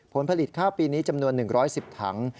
ผลผลิตข้าวปีนี้จำนวน๑๑๐ถัง